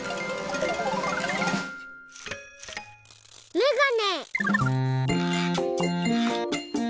めがね。